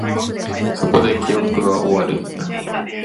そこで、記憶は終わる